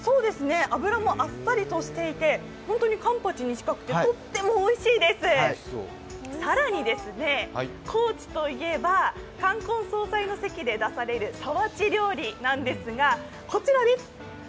脂もあっさりとしていてカンパチに近くて、とってもおいしいです、更に高知といえば冠婚葬祭の席で出される皿鉢料理なんですが、こちらです。